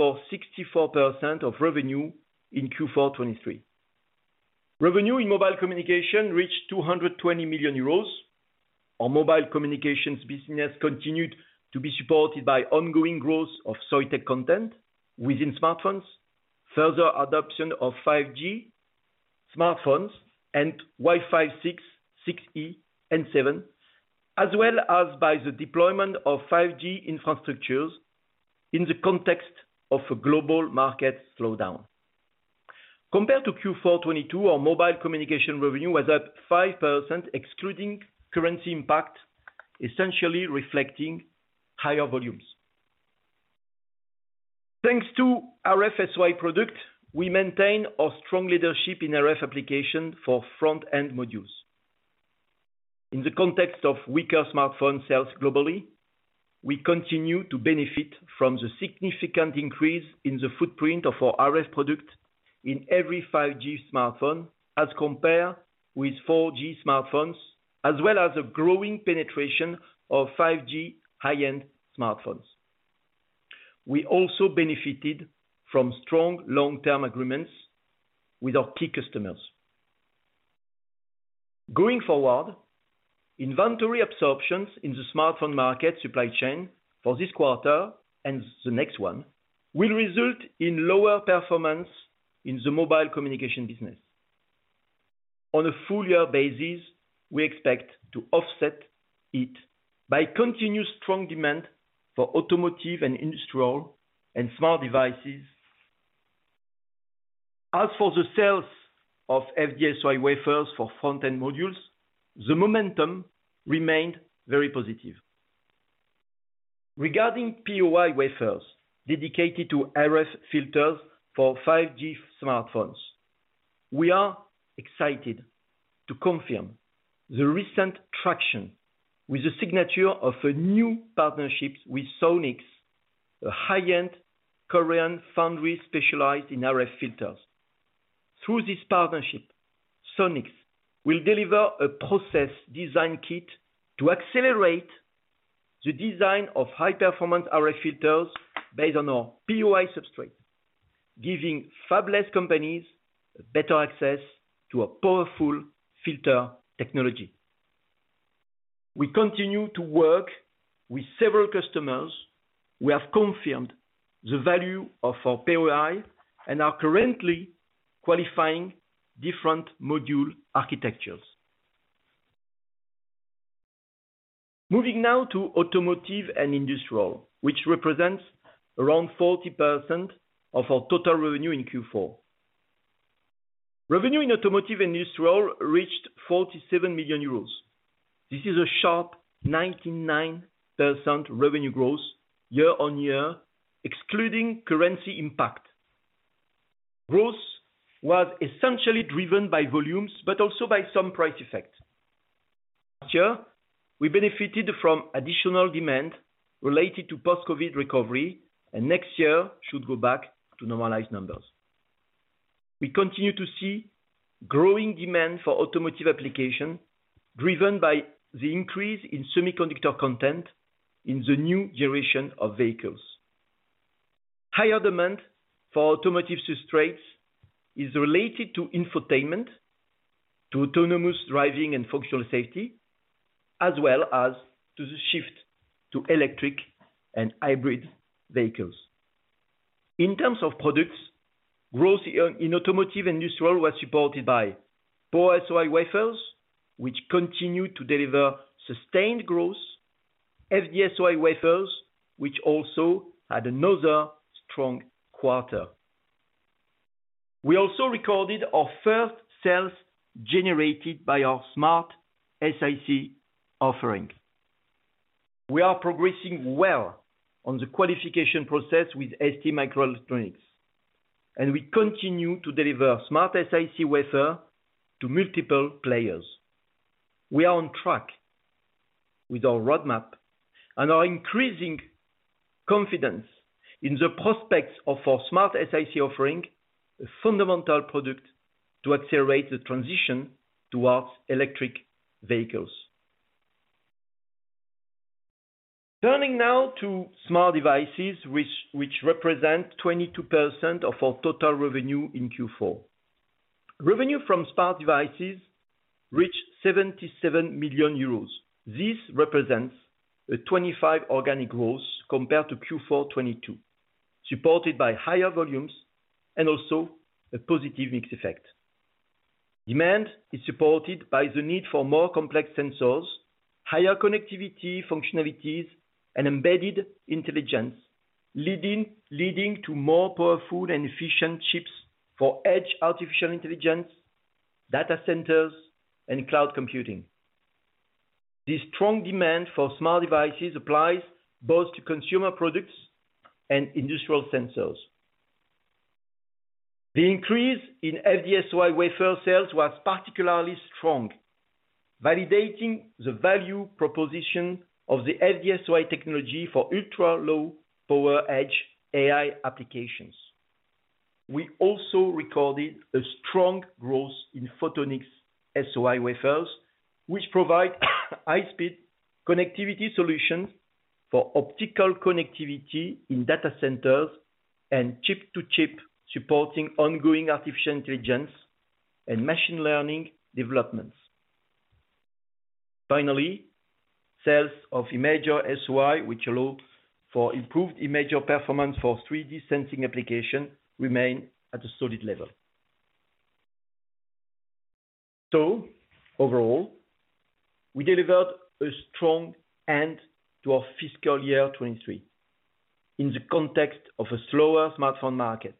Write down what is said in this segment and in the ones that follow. For 64% of revenue in Q4 2023. Revenue in mobile communication reached 220 million euros. Our mobile communications business continued to be supported by ongoing growth of Soitec content within smartphones. Further adoption of 5G smartphones and Wi-Fi 6, 6E, and 7, as well as by the deployment of 5G infrastructures in the context of a global market slowdown. Compared to Q4 2022, our mobile communication revenue was up 5% excluding currency impact, essentially reflecting higher volumes. Thanks to RF-SOI product, we maintain our strong leadership in RF application for front-end modules. In the context of weaker smartphone sales globally, we continue to benefit from the significant increase in the footprint of our RF product in every 5G smartphone as compare with 4G smartphones, as well as a growing penetration of 5G high-end smartphones. We also benefited from strong long-term agreements with our key customers. Going forward, inventory absorptions in the smartphone market supply chain for this quarter and the next one will result in lower performance in the mobile communication business. On a full year basis, we expect to offset it by continuous strong demand for automotive and industrial and smart devices. As for the sales of FD-SOI wafers for front-end modules, the momentum remained very positive. Regarding POI wafers dedicated to RF filters for 5G smartphones, we are excited to confirm the recent traction with the signature of a new partnership with SAWNICS, a high-end Korean foundry specialised in RF filters. Through this partnership, SAWNICS will deliver a process design kit to accelerate the design of high-performance RF filters based on our POI substrate, giving fabless companies better access to a powerful filter technology. We continue to work with several customers. We have confirmed the value of our POI and are currently qualifying different module architectures. Moving now to automotive and industrial, which represents around 40% of our total revenue in Q4. Revenue in automotive and industrial reached 47 million euros. This is a sharp 99% revenue growth year-over-year, excluding currency impact. Growth was essentially driven by volumes, but also by some price effect. Sure, we benefited from additional demand related to post-COVID recovery. Next year should go back to normalised numbers. We continue to see growing demand for automotive application driven by the increase in semiconductor content in the new generation of vehicles. Higher demand for automotive substrates is related to infotainment, to autonomous driving and functional safety, as well as to the shift to electric and hybrid vehicles. In terms of products, growth in automotive industrial was supported by POI wafers, which continue to deliver sustained growth, FD-SOI wafers, which also had another strong quarter. We also recorded our first sales generated by our SmartSiC offering. We are progressing well on the qualification process with STMicroelectronics, and we continue to deliver SmartSiC wafer to multiple players. We are on track with our roadmap and are increasing confidence in the prospects of our SmartSiC offering, a fundamental product to accelerate the transition towards electric vehicles. Turning now to smart devices, which represent 22% of our total revenue in Q4. Revenue from smart devices reached 77 million euros. This represents a 25% organic growth compared to Q4 2022, supported by higher volumes and also a positive mix effect. Demand is supported by the need for more complex sensors, higher connectivity functionalities, and embedded intelligence, leading to more powerful and efficient chips for edge artificial intelligence, data centres, and cloud computing. This strong demand for smart devices applies both to consumer products and industrial sensors. The increase in FD-SOI wafer sales was particularly strong, validating the value proposition of the FD-SOI technology for ultra-low power edge AI applications. We also recorded a strong growth in Photonics-SOI wafers, which provide high speed connectivity solutions for optical connectivity in data centres and chip-to-chip, supporting ongoing artificial intelligence and machine learning developments. Finally, sales of Imager SOI, which allow for improved image performance for 3D sensing application remain at a solid level. Overall, we delivered a strong end to our fiscal year 2023 in the context of a slower smartphone market.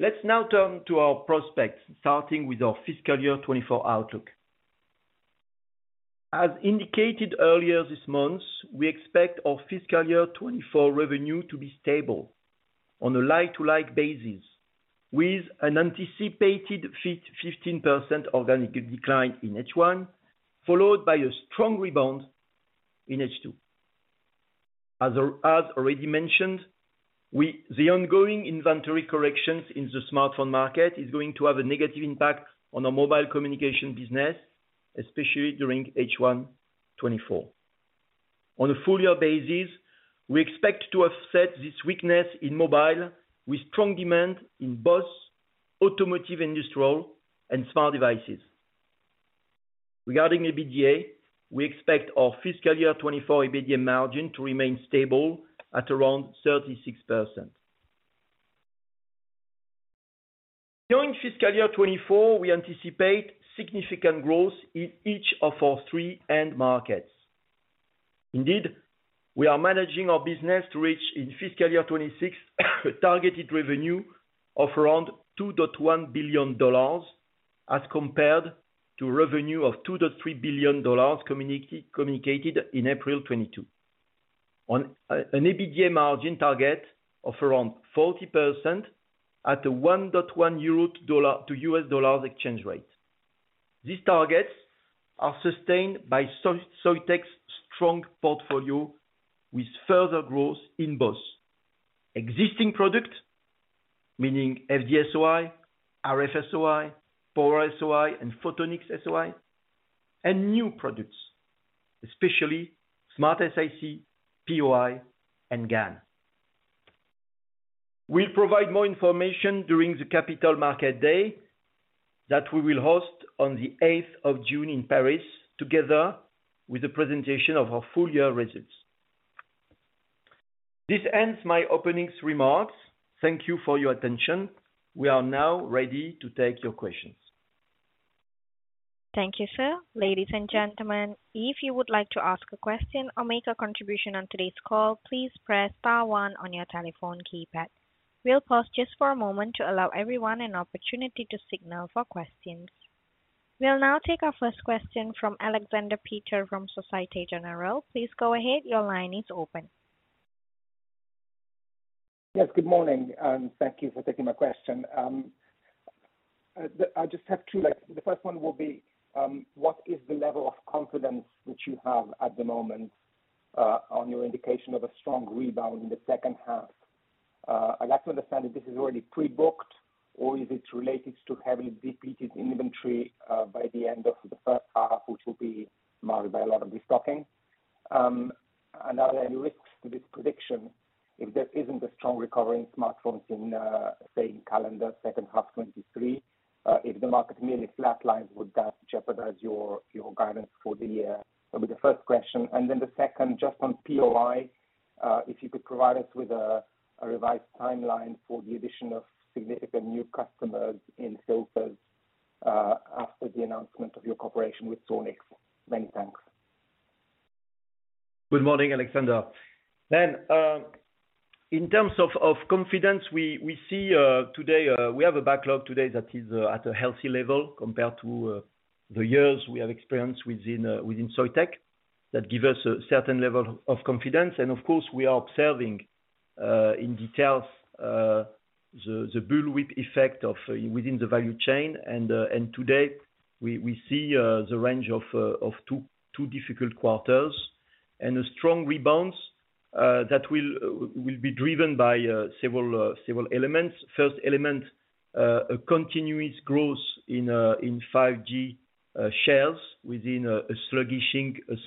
Let's now turn to our prospects, starting with our fiscal year 2024 outlook. As indicated earlier this month, we expect our fiscal year 2024 revenue to be stable on a like-to-like basis, with an anticipated 15% organic decline in H1, followed by a strong rebound in H2. As already mentioned, the ongoing inventory corrections in the smartphone market is going to have a negative impact on our mobile communication business, especially during H1 2024. On a full year basis, we expect to offset this weakness in mobile with strong demand in both automotive, industrial, and smart devices. Regarding EBITDA, we expect our fiscal year 2024 EBITDA margin to remain stable at around 36%. During fiscal year 2024, we anticipate significant growth in each of our three end markets. Indeed, we are managing our business to reach in fiscal year 2026 a targeted revenue of around $2.1 billion as compared to revenue of $2.3 billion communicated in April 2022. On an EBITDA margin target of around 40% at a 1.1 euro to US dollars exchange rate. These targets are sustained by Soitec's strong portfolio with further growth in both existing product, meaning FD-SOI, RF-SOI, Power-SOI, and Photonics-SOI, and new products, especially SmartSiC, POI, and GaN. We'll provide more information during the Capital Markets Day that we will host on the 8th of June in Paris, together with the presentation of our full year results. This ends my opening remarks. Thank you for your attention. We are now ready to take your questions. Thank you, sir. Ladies and gentlemen, if you would like to ask a question or make a contribution on today's call, please press star one on your telephone keypad. We'll pause just for a moment to allow everyone an opportunity to signal for questions. We'll now take our first question from Aleksander Peterc from Societe Generale. Please go ahead. Your line is open. Yes, good morning, thank you for taking my question. I just have two. Like, the first one will be, what is the level of confidence which you have at the moment on your indication of a strong rebound in the second half? I'd like to understand if this is already pre-booked or is it related to having depleted inventory by the end of the first half, which will be marred by a lot of restocking. Are there any risks to this prediction if there isn't a strong recovery in smartphones in, say, in calendar second half 23, if the market merely flatlines, would that jeopardise your guidance for the year? That'll be the first question. The second, just on POI, if you could provide us with a revised timeline for the addition of significant new customers in filters, after the announcement of your cooperation with SAWNICS. Many thanks. Good morning, Alexander. In terms of confidence, we see today, we have a backlog today that is at a healthy level compared to the years we have experienced within Soitec. That give us a certain level of confidence. Of course, we are observing in details the bullwhip effect of within the value chain. Today we see the range of two difficult quarters and strong rebounds that will be driven by several elements. First element, a continuous growth in 5G shares within a sluggish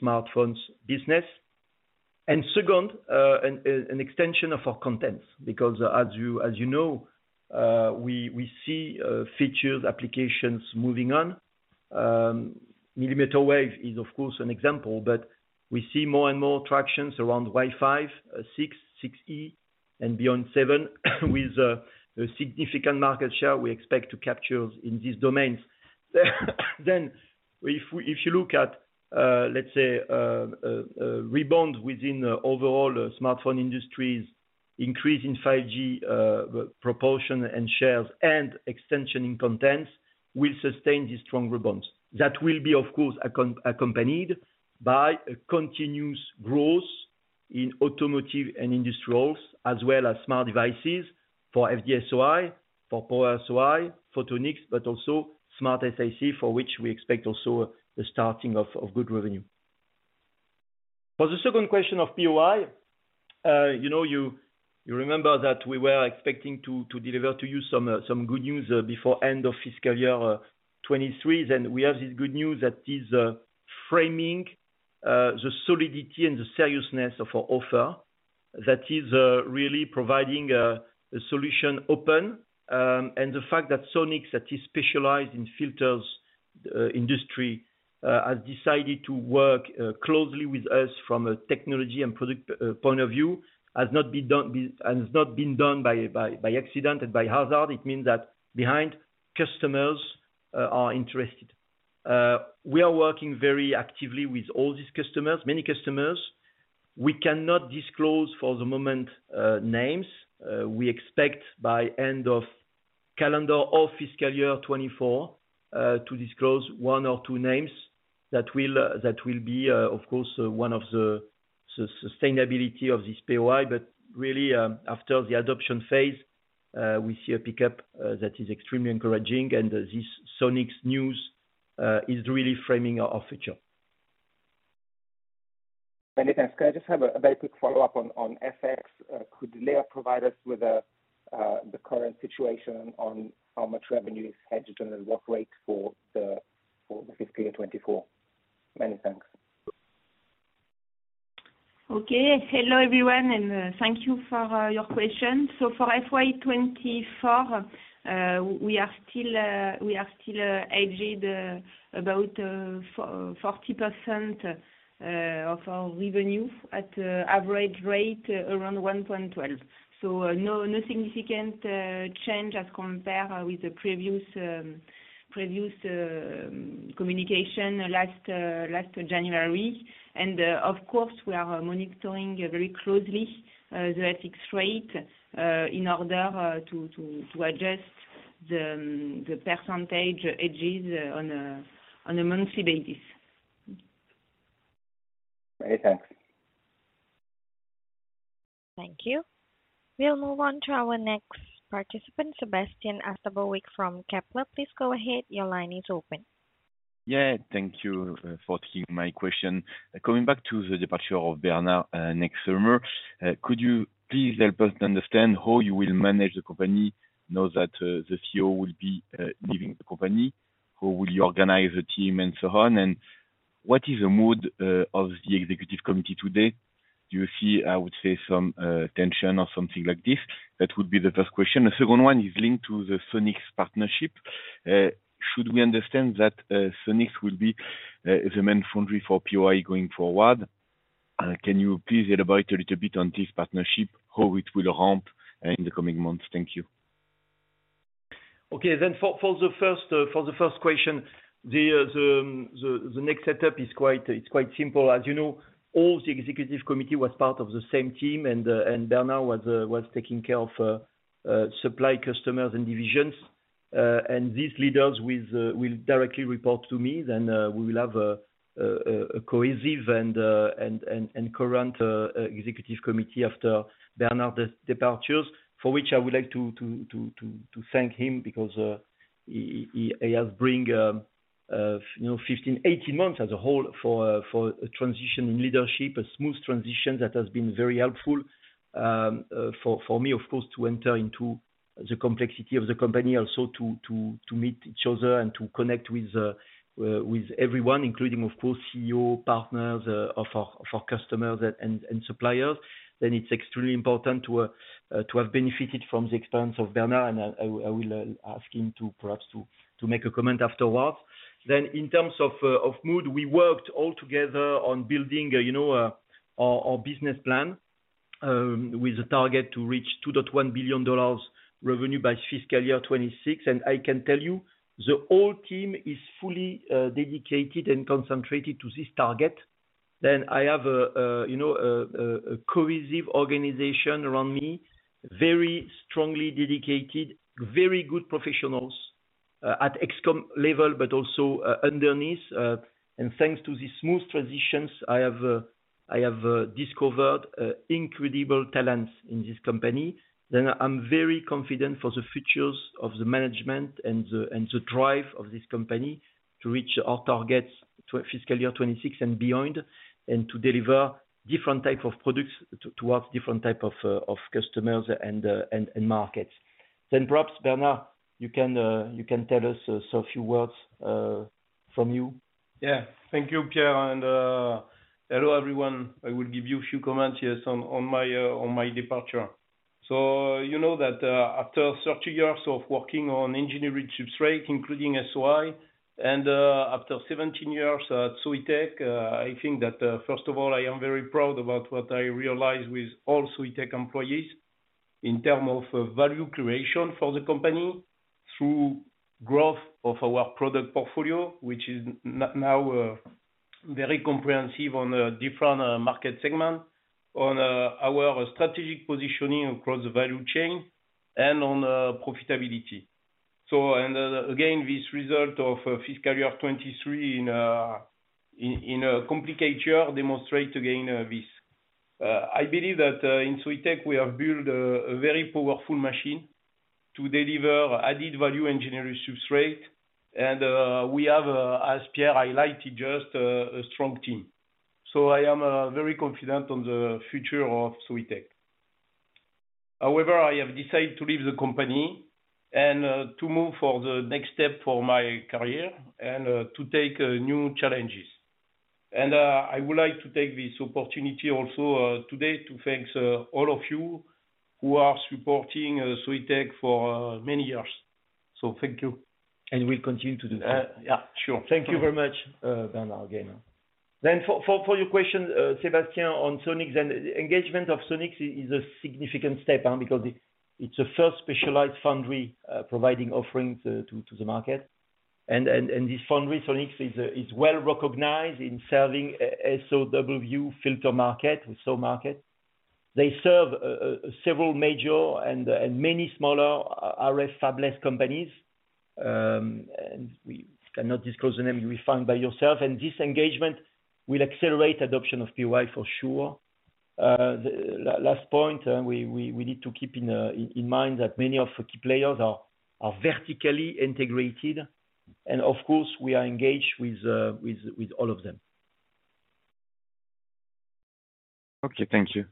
smartphones business. Second, an extension of our contents. Because as you know, we see features, applications moving on. Millimeter wave is of course an example, we see more and more tractions around Wi-Fi 6, 6E, and beyond 7 with a significant market share we expect to capture in these domains. If you look at, let's say, rebound within the overall smartphone industries, increase in 5G proportion and shares and extension in contents will sustain these strong rebounds. That will be, of course, accompanied by a continuous growth in automotive and industrials, as well as smart devices for FD-SOI, for Power-SOI, Photonics, but also SmartSiC, for which we expect also the starting of good revenue. The second question of POI, you know, you remember that we were expecting to deliver to you some good news before end of fiscal year 2023. We have this good news that is framing the solidity and the seriousness of our offer that is really providing a solution open. The fact that SAWNICS that is specialised in filters industry has decided to work closely with us from a technology and product point of view has not been done by accident, by hazard. It means that behind customers are interested. We are working very actively with all these customers, many customers. We cannot disclose for the moment names. We expect by end of calendar or fiscal year 2024 to disclose one or two names that will be of course one of the sustainability of this POI. Really, after the adoption phase, we see a pickup that is extremely encouraging. This SAWNICS news is really framing our future. Many thanks. Can I just have a very quick follow-up on FX? Could Lea provide us with the current situation on how much revenue is hedged and the lock rate for the fiscal year 2024? Many thanks. Okay. Hello, everyone, and thank you for your question. For FY 2024, we are still hedged about 40% of our revenue at average rate around 1.12. No significant change as compare with the previous communication last January. Of course, we are monitoring very closely the FX rate in order to adjust the percentage hedges on a monthly basis. Many thanks. Thank you. We'll move on to our next participant, Sébastien Sztabowicz from Kepler. Please go ahead. Your line is open. Thank you for taking my question. Coming back to the departure of Bernard next summer, could you please help us understand how you will manage the company now that the CEO will be leaving the company? Who will you organise the team and so on? What is the mood of the executive committee today? Do you see, I would say some tension or something like this? That would be the first question. The second one is linked to the SAWNICS partnership. Should we understand that SAWNICS will be the main foundry for POI going forward? Can you please elaborate a little bit on this partnership, how it will ramp in the coming months? Thank you. Okay. For the first, for the first question, the next setup is quite, it's quite simple. As you know, all the executive committee was part of the same team, and Bernard was taking care of supply customers and divisions. These leaders with will directly report to me then, we will have a cohesive and current executive committee after Bernard's departures, for which I would like to thank him because he has bring, you know, 15, 18 months as a whole for a transition in leadership, a smooth transition that has been very helpful, for me, of course, to enter into the complexity of the company. Also to meet each other and to connect with everyone including, of course, CEO, partners of our customers and suppliers. It's extremely important to have benefited from the experience of Bernard, and I will ask him to perhaps to make a comment afterwards. In terms of mood, we worked all together on building, you know, our business plan with a target to reach $2.1 billion revenue by fiscal year 2026. I can tell you the whole team is fully dedicated and concentrated to this target. I have a, you know, a cohesive organization around me, very strongly dedicated, very good professionals at ExCom level, but also underneath. Thanks to these smooth transitions, I have discovered incredible talents in this company. I'm very confident for the futures of the management and the drive of this company to reach our targets to fiscal year 26 and beyond, and to deliver different type of products towards different type of customers and markets. Perhaps, Bernard, you can tell us so few words from you. Yeah. Thank you, Pierre. Hello, everyone. I will give you a few comments, yes, on my, on my departure. You know that, after 30 years of working on engineering substrates, including SOI, and after 17 years at Soitec, I think that, first of all, I am very proud about what I realised with all Soitec employees in term of value creation for the company through growth of our product portfolio, which is now very comprehensive on a different market segment, on our strategic positioning across the value chain and on profitability. Again, this result of fiscal year 23 in a, in a complicated year demonstrate again, this. I believe that, in Soitec we have built a very powerful machine. To deliver added value engineering substrate. We have, as Pierre highlighted, just a strong team. I am very confident on the future of Soitec. However, I have decided to leave the company and to move for the next step for my career and to take new challenges. I would like to take this opportunity also today, to thanks all of you who are supporting Soitec for many years. Thank you. We continue to do that. Yeah, sure. Thank you very much, Bernard, again. For your question, Sébastien on SAWNICS. Engagement of SAWNICS is a significant step on, because it's a first specialised foundry providing offerings to the market. This foundry, SAWNICS, is well-recognised in serving SAW filter market, SAW market. They serve several major and many smaller RF fabless companies. We cannot disclose the name, you will find by yourself. This engagement will accelerate adoption of POI for sure. The last point, we need to keep in mind that many of the key players are vertically integrated. Of course, we are engaged with all of them. Okay. Thank you.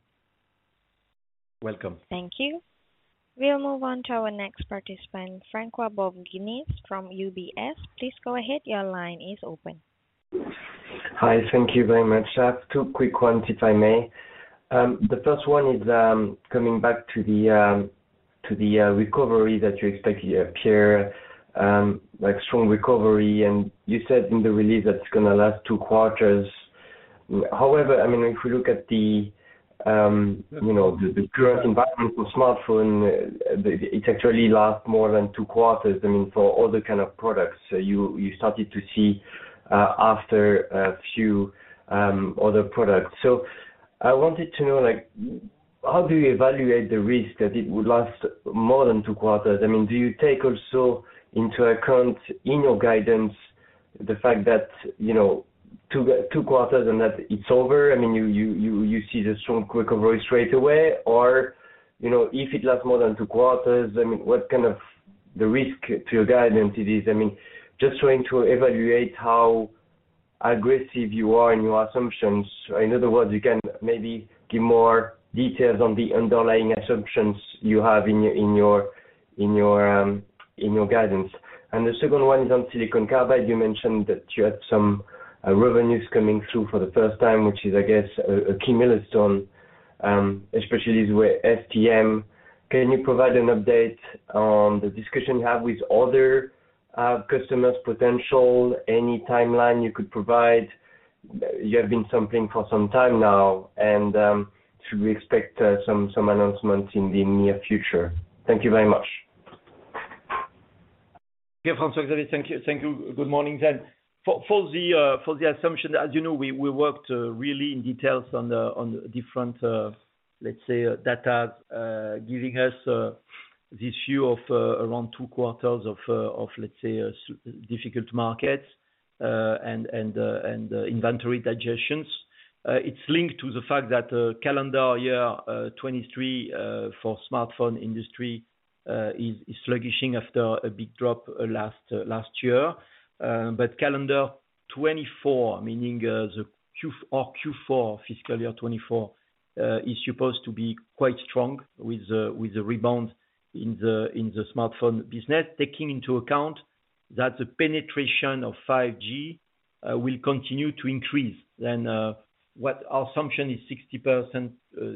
Welcome. Thank you. We'll move on to our next participant, François-Xavier Bouvignies from UBS. Please go ahead. Your line is open. Hi. Thank you very much. I have two quick ones, if I may. The first one is, coming back to the, to the, recovery that you expect here, Pierre. Like strong recovery, and you said in the release that's gonna last two quarters. I mean, if you look at the, you know, the current environment for smartphone, it actually last more than two quarters. I mean, for all the kind of products you started to see, after a few, other products. I wanted to know, like how do you evaluate the risk that it would last more than two quarters? I mean, do you take also into account in your guidance the fact that, you know, two quarters and that it's over? I mean, you see the strong quick recovery straight away or, you know, if it lasts more than two quarters, I mean, what kind of the risk to your guidance it is? I mean, just trying to evaluate how aggressive you are in your assumptions. In other words, you can maybe give more details on the underlying assumptions you have in your guidance. The second one is on silicon carbide. You mentioned that you had some revenues coming through for the first time, which is I guess, a key milestone, especially with STM. Can you provide an update on the discussion you have with other customers potential? Any timeline you could provide? You have been sampling for some time now, and should we expect some announcements in the near future? Thank you very much. Yeah. François, thank you. Thank you. Good morning. For the assumption, as you know, we worked really in details on different, let's say data, giving us this view of around 2 quarters of let's say, difficult markets and inventory digestions. It's linked to the fact that calendar year 2023 for smartphone industry is sluggish after a big drop last year. Calendar 2024, meaning Q4 fiscal year 2024, is supposed to be quite strong with the rebound in the smartphone business. Taking into account that the penetration of 5G will continue to increase. What our assumption is 60%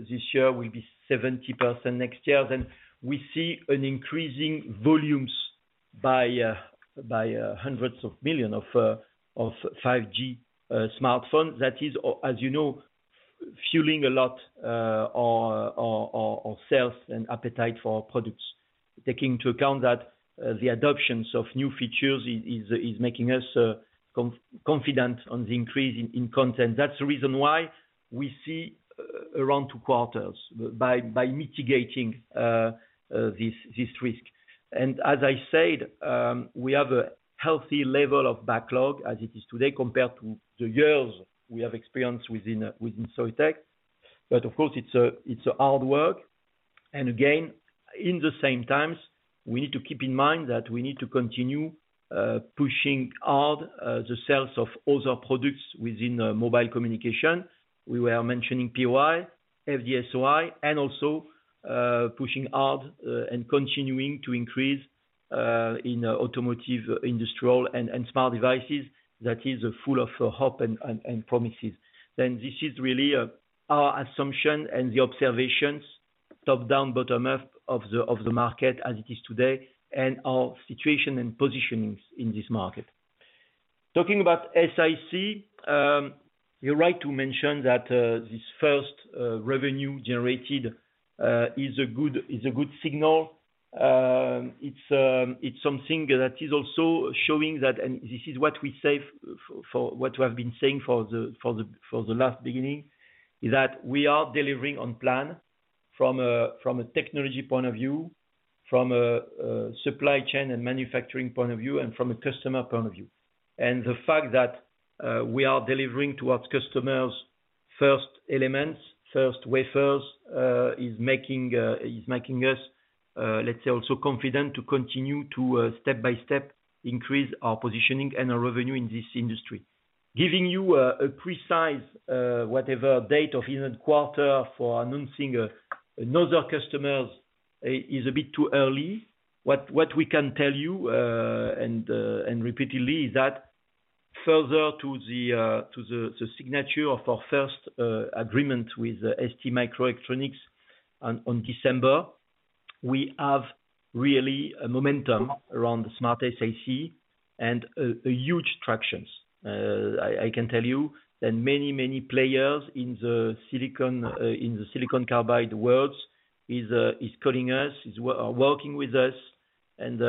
this year will be 70% next year. We see an increasing volumes by hundreds of million of 5G smartphone. That is as you know, fuelling a lot our sales and appetite for our products. Taking into account that the adoptions of new features is making us confident on the increase in content. That's the reason why we see around two quarters by mitigating this risk. As I said, we have a healthy level of backlog as it is today compared to the years we have experienced within Soitec. Of course, it's a hard work. Again, in the same times, we need to keep in mind that we need to continue pushing hard the sales of other products within the mobile communication. We were mentioning POI, FDSOI, and also pushing hard and continuing to increase in automotive, industrial and smart devices that is full of hope and promises. This is really our assumption and the observations top-down, bottom-up of the market as it is today and our situation and positioning in this market. Talking about SiC, you're right to mention that this first revenue generated is a good signal. It's something that is also showing that, and this is what I've been saying for the last beginning, is that we are delivering on plan from a technology point of view, from a supply chain and manufacturing point of view, and from a customer point of view. The fact that we are delivering to our customers-First elements, first wafers, is making us let's say also confident to continue to step by step increase our positioning and our revenue in this industry. Giving you a precise whatever date of even quarter for announcing another customers is a bit too early. What we can tell you and repeatedly is that further to the signature of our first agreement with STMicroelectronics on December, we have really a momentum around the SmartSiC and a huge tractions. I can tell you that many, many players in the Silicon carbide worlds is calling us, is working with us, and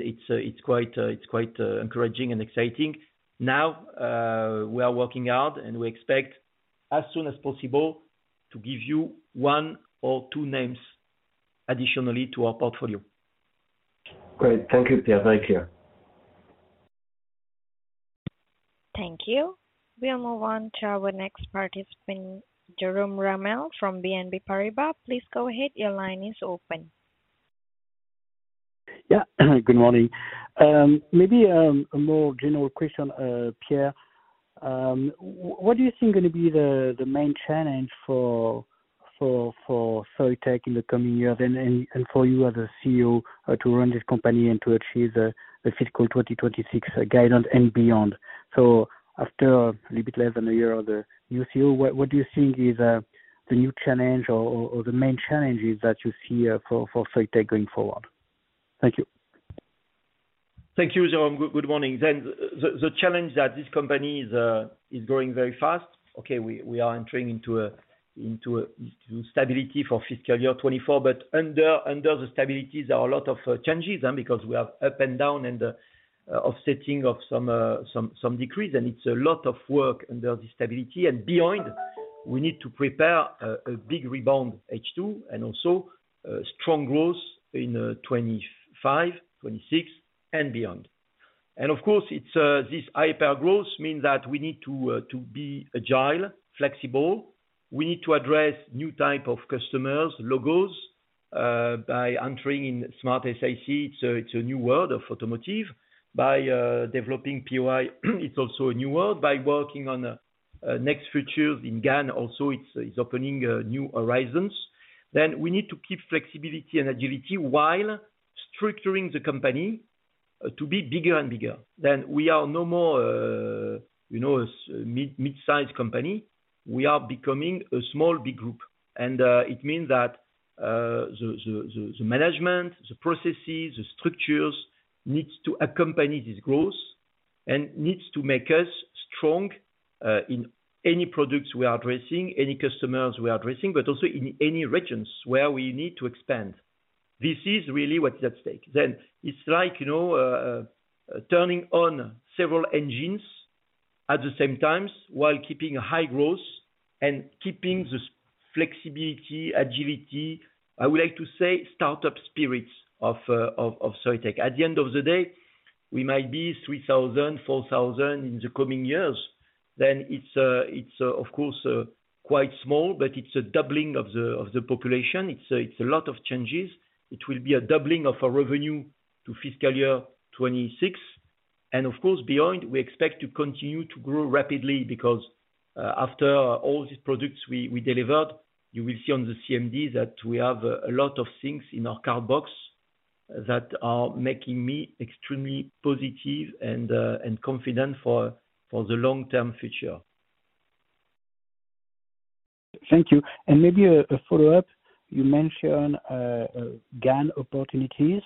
it's quite encouraging and exciting. Now, we are working out, and we expect as soon as possible to give you one or two names additionally to our portfolio. Great. Thank you, Pierre. Very clear. Thank you. We'll move on to our next participant, Jerome Ramel from BNP Paribas. Please go ahead. Your line is open. Yeah. Good morning. Maybe a more general question, Pierre. What do you think gonna be the main challenge for Soitec in the coming years and for you as a CEO to run this company and to achieve the fiscal 2026 guidance and beyond? After a little bit less than a year of the new CEO, what do you think is the new challenge or the main challenges that you see for Soitec going forward? Thank you. Thank you, Jerome. Good morning. The challenge that this company is growing very fast. We are entering into stability for fiscal year 2024, under the stability, there are a lot of changes because we have up and down and offsetting of some decrease, it's a lot of work under the stability. Behind, we need to prepare a big rebound H2 and also strong growth in 2025, 2026 and beyond. Of course, it's this high power growth means that we need to be agile, flexible. We need to address new type of customers, logos, by entering in SmartSiC. It's a new world of automotive. By developing POI, it's also a new world. By working on next features in GaN also it's opening new horizons. We need to keep flexibility and agility while structuring the company to be bigger and bigger. We are no more, you know, a mid-sized company. We are becoming a small, big group. It means that the management, the processes, the structures needs to accompany this growth and needs to make us strong in any products we are addressing, any customers we are addressing, but also in any regions where we need to expand. This is really what's at stake. It's like, you know, turning on several engines at the same times while keeping a high growth and keeping this flexibility, agility, I would like to say startup spirits of Soitec. At the end of the day, we might be 3,000, 4,000 in the coming years. It's, of course, quite small, but it's a doubling of the population. It's a lot of changes. It will be a doubling of our revenue to fiscal year 2026. Of course, beyond, we expect to continue to grow rapidly because after all these products we delivered, you will see on the CMD that we have a lot of things in our card box that are making me extremely positive and confident for the long-term future. Thank you. Maybe a follow-up. You mentioned GaN opportunities.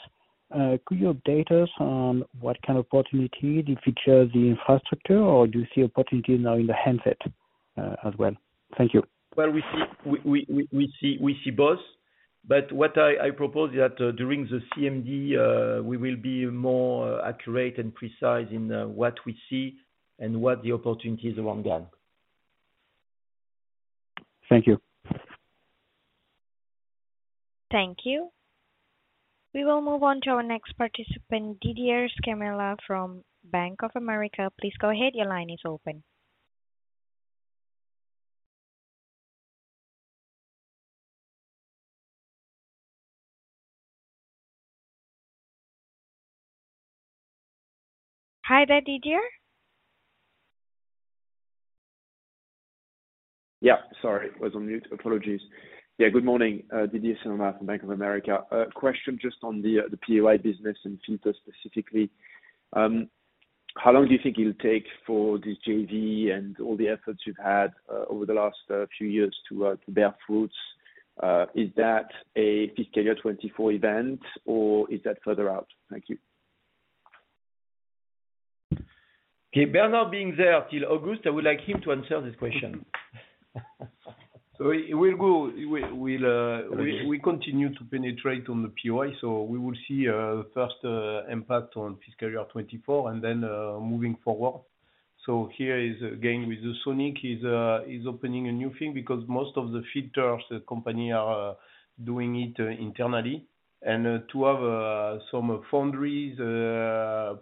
Could you update us on what kind of opportunities? Do you feature the infrastructure, or do you see opportunities now in the handset as well? Thank you. Well, we see both. What I propose is that during the CMD, we will be more accurate and precise in what we see and what the opportunities around GaN. Thank you. Thank you. We will move on to our next participant, Didier Scemama from Bank of America. Please go ahead. Your line is open. Hi there, Didier. Yeah, sorry. Was on mute. Apologies. Yeah, good morning. Didier Scemama from Bank of America. A question just on the POI business and filters specifically. How long do you think it'll take for this JV and all the efforts you've had over the last few years to bear fruits? Is that a fiscal year 2024 event, or is that further out? Thank you. Bernard being there till August, I would like him to answer this question. It will go, we will continue to penetrate on the POI, we will see the first impact on fiscal year 2024 and then moving forward. Here is again with the SAWNICS is opening a new thing because most of the filters, the company are doing it internally. To have some foundries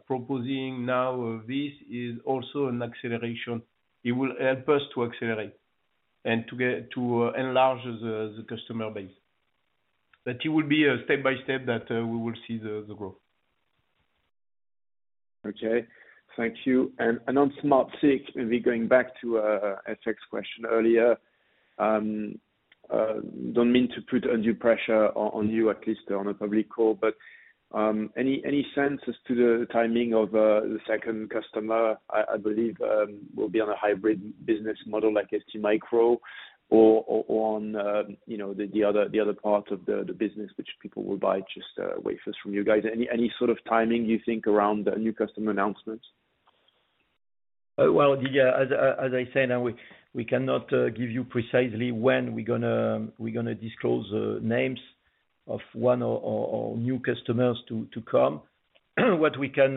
proposing now this is also an acceleration. It will help us to accelerate and to get to enlarge the customer base. It will be a step-by-step that we will see the growth. Okay. Thank you. On SmartSiC, maybe going back to FX question earlier. Don't mean to put undue pressure on you, at least on a public call, but any sense as to the timing of the second customer, believe will be on a hybrid business model like ST Micro or on you know other part of the business which people will buy just wafers from you guys. Any sort of timing you think around new customer announcements? w we cannot give you precisely when we are going to disclose names of one or new customers to come. What we can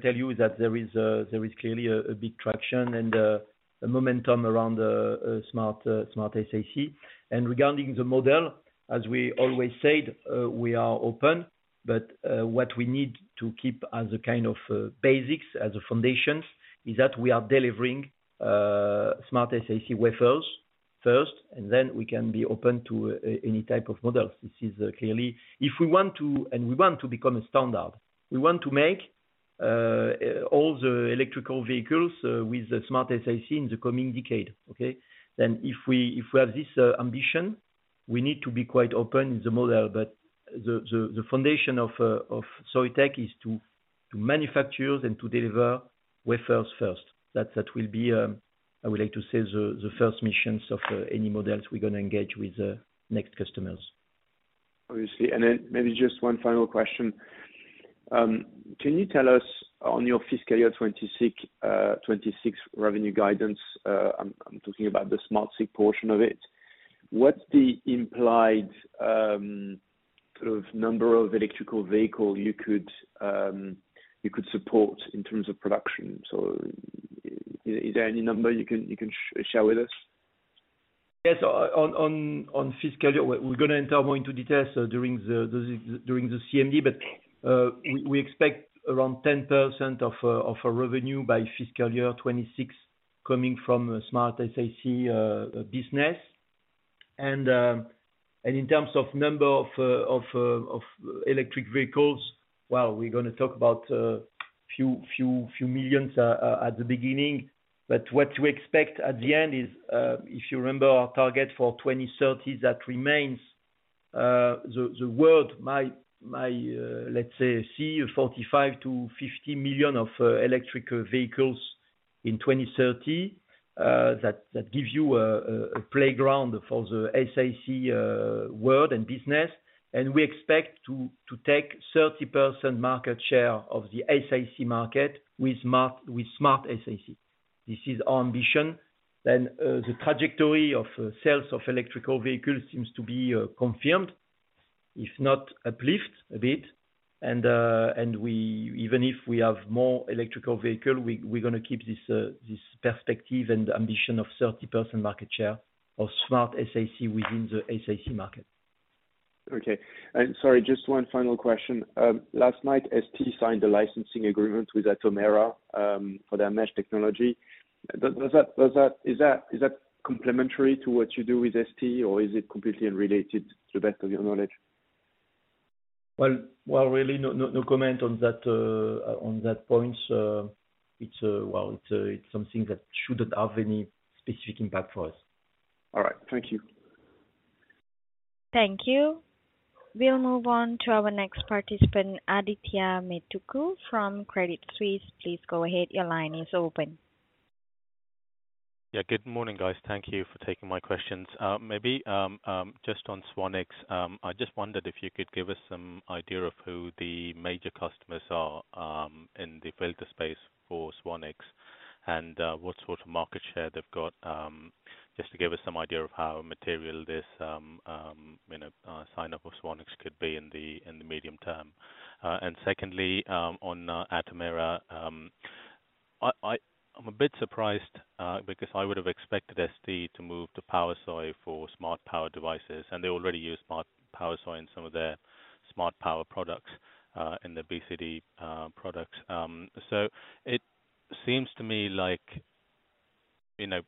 tell you is that there is clearly a big traction and a momentum around Smart SiC. And regarding the model, as we always said, we are open, but what we need to keep as a kind of basics, as a foundations, is that we are delivering Smart SiC wafers first, and then we can be open to any type of models. This is clearly, if we want to, and we want to become a standard, we want to make all the electrical vehicles with the Smart SiC in the coming decade, okay? If we have this ambition, we need to be quite open in the model. The foundation of Soitec is to manufacture and to deliver wafers first. That will be, I would like to say the first missions of any models we're gonna engage with the next customers. Obviously. Maybe just one final question. Can you tell us on your fiscal year 2026 revenue guidance, I'm talking about the SmartSiC portion of it. What's the implied sort of number of electrical vehicle you could support in terms of production? Is there any number you can share with us? Yes. On fiscal year, we're gonna enter more into details during the CMD. We expect around 10% of our revenue by fiscal year 2026 coming from SmartSiC business. In terms of number of electric vehicles, well, we're gonna talk about few millions at the beginning. What we expect at the end is, if you remember our target for 2030, that remains, the world might let's say see 45-50 million of electric vehicles in 2030. That gives you a playground for the SiC world and business. We expect to take 30% market share of the SiC market with SmartSiC. This is our ambition. The trajectory of sales of electrical vehicles seems to be confirmed, if not uplift a bit. Even if we have more electrical vehicle, we're gonna keep this perspective and ambition of 30% market share of SmartSiC within the SiC market. Okay. Sorry, just one final question. Last night, ST signed a licensing agreement with Atomera, for their mesh technology. Is that complementary to what you do with ST, or is it completely unrelated to the best of your knowledge? Well, really no comment on that point. It's, well, it's something that shouldn't have any specific impact for us. All right. Thank you. Thank you. We'll move on to our next participant, Adithya Metuku from Credit Suisse. Please go ahead. Your line is open. Good morning, guys. Thank you for taking my questions. Maybe, just on SAWNICS. I just wondered if you could give us some idea of who the major customers are in the filter space for SAWNICS and what sort of market share they've got, just to give us some idea of how material this, you know, sign up of SAWNICS could be in the medium term. Secondly, on Atomera. I'm a bit surprised because I would have expected ST to move to PowerSOI for smart power devices, and they already use smart PowerSOI in some of their smart power products in the BCD products. So it seems to me like, you know,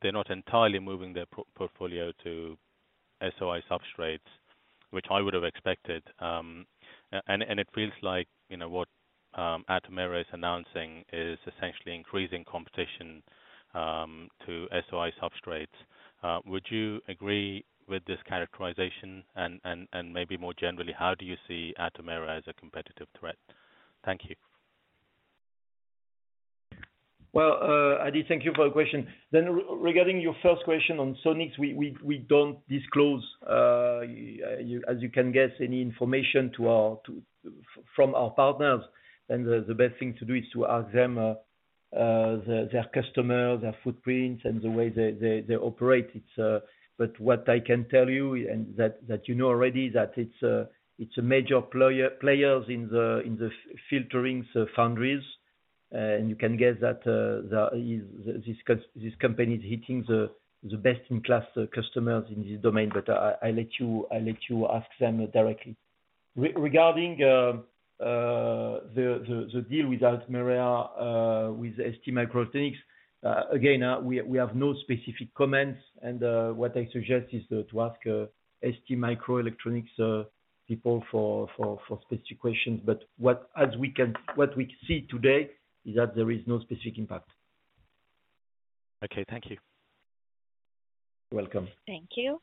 they're not entirely moving their portfolio to SOI substrates, which I would have expected. It feels like, you know, what Atomera is announcing is essentially increasing competition to SOI substrates. Would you agree with this characterization? Maybe more generally, how do you see Atomera as a competitive threat? Thank you. Adi, thank you for your question. Regarding your first question on SAWNICS, we don't disclose, as you can guess, any information from our partners. The best thing to do is to ask them their customers, their footprints, and the way they operate. It's what I can tell you and that you know already, that it's a major players in the filtering, so foundries. You can guess that this company is hitting the best-in-class customers in this domain. I let you, I let you ask them directly. Regarding the deal with Atomera, with STMicroelectronics, again, we have no specific comments and what I suggest is to ask STMicroelectronics people for specific questions. What we see today is that there is no specific impact. Okay. Thank you. You're welcome. Thank you.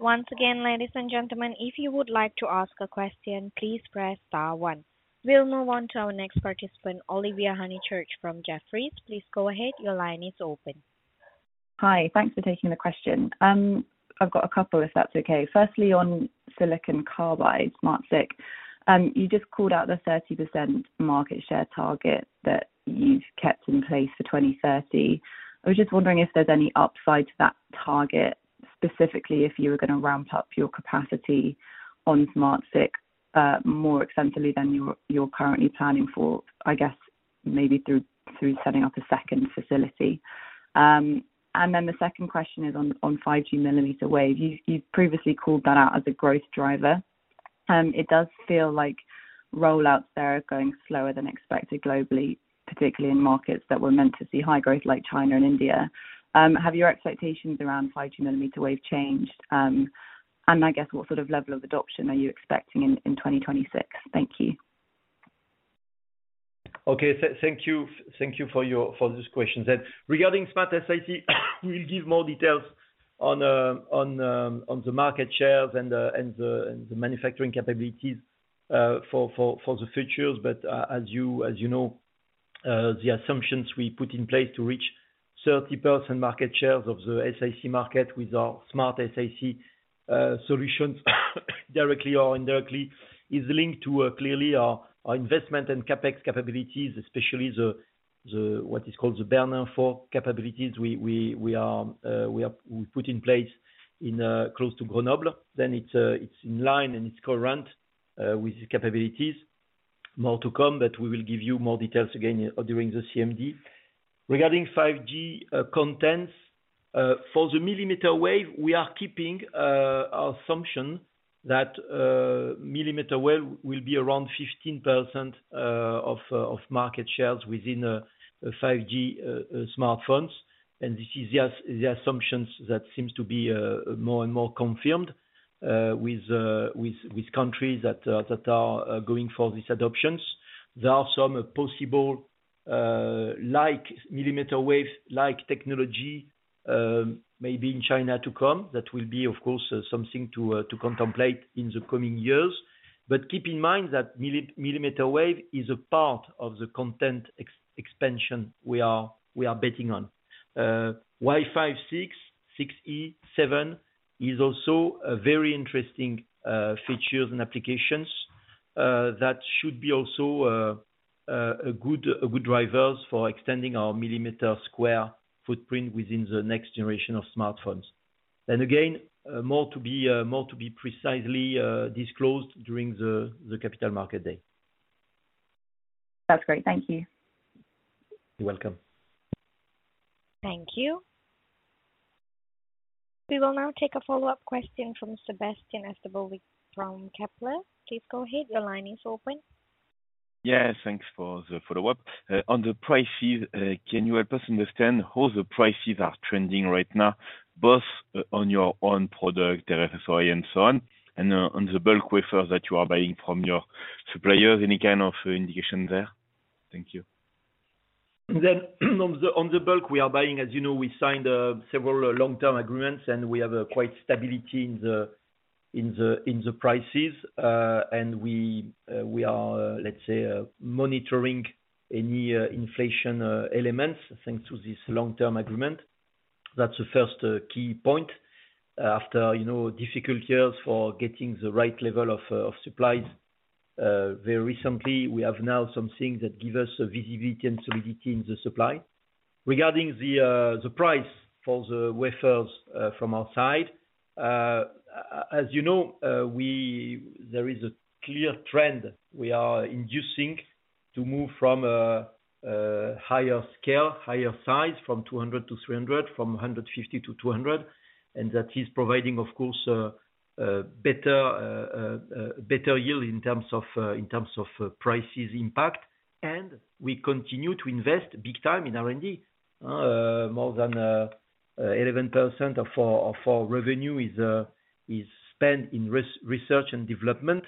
Once again, ladies and gentlemen, if you would like to ask a question, please press star one. We'll move on to our next participant, Olivia Honeychurch from Jefferies. Please go ahead. Your line is open. Hi. Thanks for taking the question. I've got a couple, if that's okay. Firstly, on silicon carbide, SmartSiC. You just called out the 30% market share target that you've kept in place for 2030. I was just wondering if there's any upside to that target, specifically if you were gonna ramp up your capacity on SmartSiC, more extensively than you're currently planning for, I guess maybe through setting up a second facility. The second question is on 5G millimeter wave. You've previously called that out as a growth driver. It does feel like rollouts there are going slower than expected globally, particularly in markets that were meant to see high growth like China and India. Have your expectations around 5G millimeter wave changed? I guess, what sort of level of adoption are you expecting in 2026? Thank you. Okay. Thank you. Thank you for your for these questions. Regarding SmartSiC, we'll give more details on the market shares and the manufacturing capabilities for the futures. As you know, the assumptions we put in place to reach 30% market shares of the SiC market with our SmartSiC solutions, directly or indirectly, is linked to clearly our investment and CapEx capabilities, especially the what is called the Bernin 4 capabilities. We put in place in close to Grenoble. It's in line and it's current with the capabilities. More to come, we will give you more details again during the CMD. Regarding 5G contents for the millimeter wave, we are keeping our assumption that millimeter wave will be around 15% of market shares within 5G smartphones. This is the assumptions that seems to be more and more confirmed with countries that are going for these adoptions. There are some possible like millimeter wave like technology, maybe in China to come. That will be of course something to contemplate in the coming years. Keep in mind that millimeter wave is a part of the content expansion we are betting on. Wi-Fi 5, Wi-Fi 6, 6E, Wi-Fi 7 is also a very interesting features and applications. That should be also a good drivers for extending our millimeter square footprint within the next generation of smartphones. Again, more to be precisely disclosed during the Capital Markets Day. That's great. Thank you. You're welcome. Thank you. We will now take a follow-up question from Sébastien Sztabowicz from Kepler. Please go ahead. Your line is open. Yeah, thanks for the follow-up. On the prices, can you help us understand how the prices are trending right now, both on your own product, RF-SOI and so on, and on the bulk wafers that you are buying from your suppliers? Any kind of indication there? Thank you. On the bulk we are buying, as you know, we signed several long-term agreements, and we have a quite stability in the prices. We are, let's say, monitoring any inflation elements thanks to this long-term agreement. That's the first key point. After, you know, difficult years for getting the right level of supplies, very recently, we have now something that give us a visibility and solidity in the supply. Regarding the price for the wafers from outside, as you know, there is a clear trend we are inducing to move from a higher scale, higher size from 200 to 300, from 150 to 200. That is providing, of course, a better yield in terms of, in terms of prices impact. We continue to invest big time in R&D. More than 11% of our revenue is spent in research and development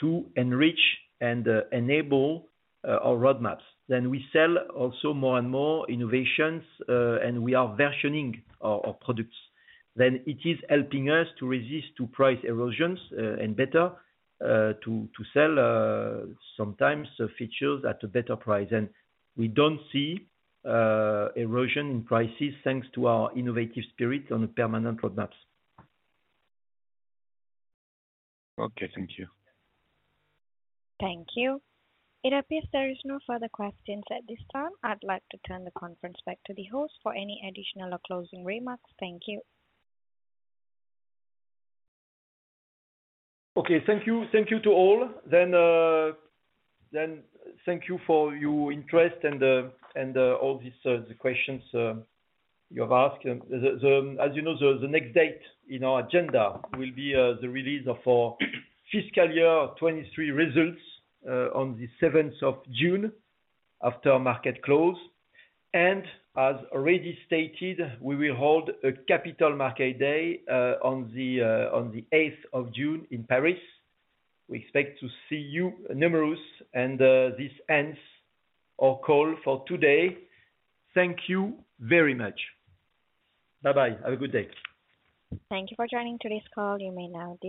to enrich and enable our roadmaps. We sell also more and more innovations, and we are versioning our products. It is helping us to resist to price erosions, and better to sell, sometimes features at a better price. We don't see erosion in prices, thanks to our innovative spirit on the permanent roadmaps. Okay. Thank you. Thank you. It appears there is no further questions at this time. I'd like to turn the conference back to the host for any additional or closing remarks. Thank you. Okay. Thank you. Thank you to all. Thank you for your interest and all these, the questions, you have asked. As you know, the next date in our agenda will be the release of our fiscal year 2023 results, on the 7th of June after market close. As already stated, we will hold a Capital Markets Day on the 8th of June in Paris. We expect to see you numerous. This ends our call for today. Thank you very much. Bye-bye. Have a good day. Thank you for joining today's call. You may now disconnect.